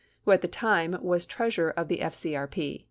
who at the time was treasurer of the FCRP.